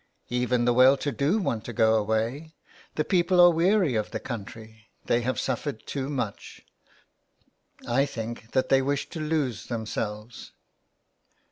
'* Even the well to do want to go away. The people are weary of the country, they have suffered too much. I think that they wish to lose themselves."